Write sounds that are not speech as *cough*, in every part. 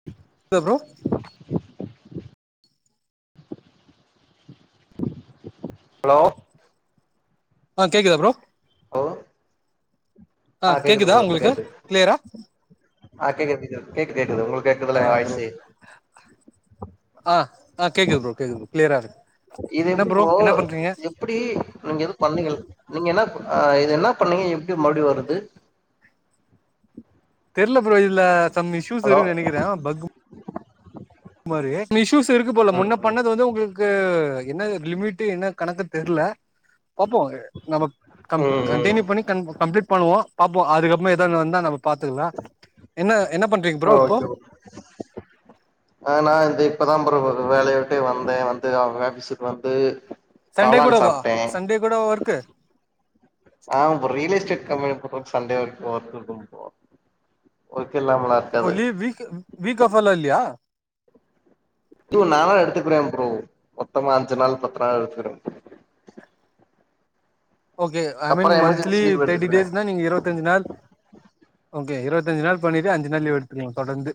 *inaudible* hello *unintelligible* hello ஆ கேக்குதா bro hello ஆ கேக்குது கேக்குதா ப்ரோ இப்ப உங்களுக்கு கேக்குது கிளியரா ஆ கேக்குது கேக்குது கேக்குது ஒங்களுக்கு கேக்குதுல ஆ எ ப்ரோ வாய்ஸு ஆ ஆ கேக்குது ப்ரோ கேக்குது ப்ரோ கிளியரா இருக்கு என்னா ப்ரோ என்னா பண்றீங்க எப்புடி நீங்க எது பண்ணீங்க நீங்க என்னா இது என்னா பண்ணீங்க எப்டி மறுபடி வருது தெர்ல ப்ரோ இதுல சம் இஷ்யூஸ் ஹலோ இருக்குதுன்னு நெனக்குறே பக் மா இஷ்யூஸ் இருக்கு போல ம் முன்ன ம் பண்ணது வந்து ஒங்களுக்கு என்ன லிமிட்டு என்ன கணக்கு தெர்ல பாப்போ நம்ம ம் ம் கண்ட்னியூ பண்ணி கம்ப்ளீட் பண்ணுவோ பாப்போ அதுக்கப்பறோ எதனா வந்தா நம்ம பாத்துக்கலா என்ன என்ன பண்ண ம் ஓகே ப்ரோ ஆ நா இ இப்பதா ப்ரோ வேலய விட்டே வந்தே வந்து அவுங்க ஆபீஸுக்கு வந்து சண்டே கூட காளான் வா சாப்ட்டே சண்டே கூடவா ஒர்க்கு ஆ bro real estate company bro Sunday வரைக்கு ஒர்க் இருக்கு ஒர்க் இல்லாமல அப்போ லீவ் வீக் வீக் ஆஃப்பெல்லா இல்லயா து நாளா எடுத்துக்குறே ப்ரோ மொத்தமா அஞ்சு நாள் பத்து நாள் எடுத்துக்கிட்ட ப்ரோ ஓகே ஐ மீன் அப்பறோ மந்த்லி எமர்ஜென்சி லீவ் தேர்ட்டி எடுத்துக்குருவே டேஸ்னா நீங்க இருபத்தஞ்சு நாள் ஓகே இருபத்தஞ்சு நாள் பண்ணிட்டு அஞ்சு நாள் லீவ் எடுத்துக்வீங் தொடர்ந்து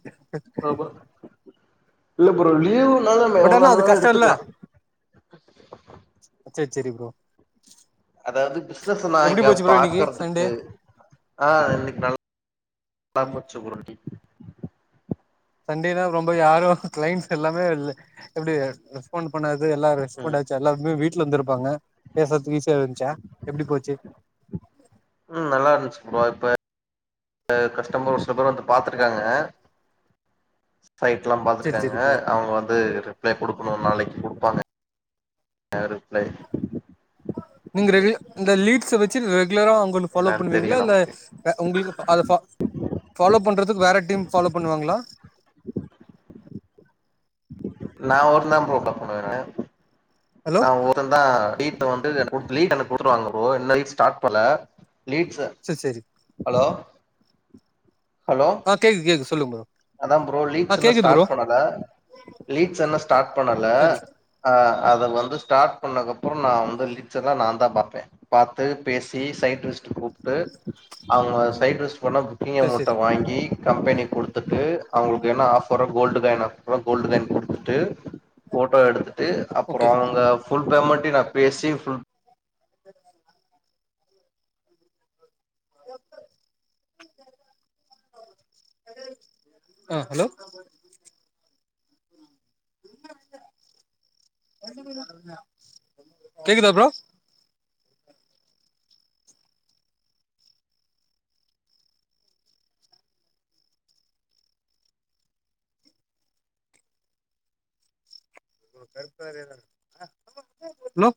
இல்ல ப்ரோ லீவ்வுநாளு நா பட் எவ்ளோ ஆனா அது வேணாலு கஷ்டோல்ல எடுத்துக்லா சேரி சேரி ப்ரோ அதாவது பிசினஸ் நா எப்டி இங்க போச்சு ப்ரோ இன்னைக்கு சண்டே பாக்கறதுக்கு ஆ இன்னைக்கு நல்ல ஆப்பர்ச்சூருனுட்டி சண்டேனா ரொம்ப யாரும் கிளைண்டட்ஸ் எல்லாமே எப்டி ரெஸ்பாண்ட் பண்ணாது எல்லா ம் ரெஸ்பாண்ட் ஆச்சு எல்லாருக்மே வீட்ல இருந்துருப்பாங்க பேச ஈசியா இருந்துச்சா எப்டி போச்சு ம் நல்லாருந்துச்சு ப்ரோ இப்ப கஸ்டமர் ஒரு சில பேர் வந்து பாத்துருக்காங்க சைட்ல்லம் சேரி பாத்துருக்காங்க சேரி ப்ரோ அவங்க வந்து இப்ப குடுக்கணு நாளைக்கு குடுப்பாங்க ரிப்ளை நீங்க ரெகு இந்த லீட்ஸா வெச்சி ரெகுலரா ஒன்னு பாலோ என்னன்னு தெரியு பண்ணுவீங்களா இல்ல நமக்கு உங்களுக்கு அத பா ஃபாலோ பண்ணறதுக்கு வேற டீம் ஃபாலோ பண்ணுவாங்களா நா ஒருத்ததா ப்ரோ *unintelligible* பண்ணுவ ஹலோ நா ஒரு *unintelligible* லீட் பண்ண குடுத்துருவாங்க ப்ரோ இன்னு லீட்ஸ் ஸ்டார்ட் பண்ணல லீட்ஸ் சேரி சேரி ஹலோ ஹலோ ஆ கேக்குது கேக்குது சொல்லுங்க ப்ரோ அதா ப்ரோ லீட்ஸ் ஆ இன்னு கேக்குது ப்ரோ ஸ்டார்ட் பண்ணல லீட்ஸ் இன்னு ஸ்டார்ட் பண்ணல சேரி ஆ அத வந்து ஸ்டார்ட் பண்ணக்ப்றோ நா வந்து லலீட்ஸ்ஸதா நான்தா பாத்த பாத்து பேசி சைட் லிஸ்ட் கூப்ட்டு அவங்க சைட் லிஸ்ட் கொண்டாந்து பி எம் சேரி கிட்ட சேரி வாங்கி கம்பெனி கொடு துட்டு அவங்களுக்கு என்ன ஆஃபரோ கோல்டு காயின் அப்ரோ கோல்டு காயின் கொடுத்துட்டு போட்டோ எடுத்துட் டு அப்ரோ ஓகே அங்க புல் பேமெண்டயு நா பேசி புல் ரப்பர் ஆ ஹலோ கேக்குதா ப்ரோ ஹலோ